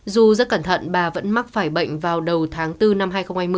dù rất cẩn thận bà vẫn mắc phải bệnh vào đầu tháng bốn năm hai nghìn hai mươi